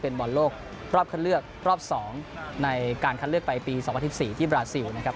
เป็นบอลโลกรอบคันเลือกรอบ๒ในการคัดเลือกไปปี๒๐๑๔ที่บราซิลนะครับ